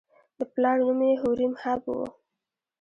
د پلار نوم یې هوریم هب و.